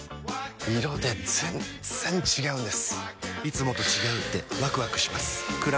色で全然違うんです！